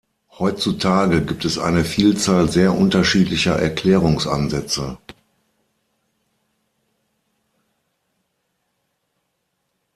Heutzutage gibt es eine Vielzahl sehr unterschiedlicher Erklärungsansätze.